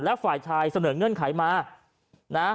และฝ่ายชายเสนอเงื่อนไขมานะ